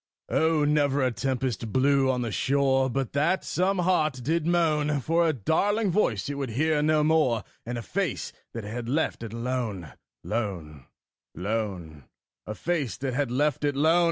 Oh! never a tempest blew on the shore But that some heart did moan For a darling voice it would hear no more And a face that had left it lone, lone, lone A face that had left it lone!